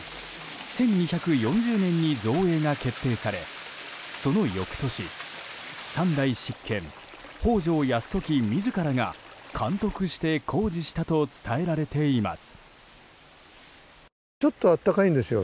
１２４０年に造営が決定され、その翌年三代執権・北条泰時自らが監督して工事したと伝えられています。